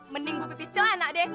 mending gue pepis celana deh